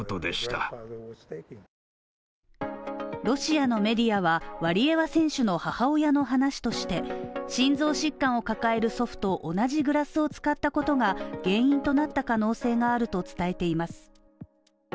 ロシアのメディアは、ワリエワ選手の母親の話として、心臓疾患を抱える祖父と同じグラスを使ったことが原因となった可能性があると伝えています。